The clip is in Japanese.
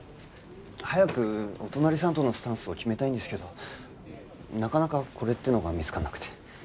早くお隣さんとのスタンスを決めたいんですけどなかなかこれっていうのが見つからなくて。